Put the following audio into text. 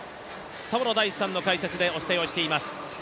澤野大地さんの解説でお伝えしています。